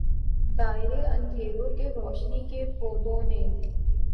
دائرے اندھیروں کے روشنی کے پوروں نے